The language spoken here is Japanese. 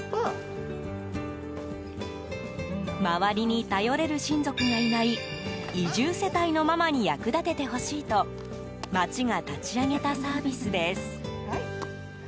周りに頼れる親族がいない移住世帯のママに役立ててほしいと町が立ち上げたサービスです。